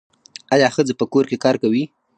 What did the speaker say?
آیا ښځې په کور کې کار کوي؟